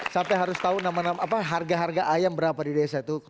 sampai harus tahu nama harga harga ayam berapa di desa itu